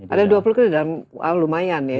ada dua puluh an kolam lumayan ya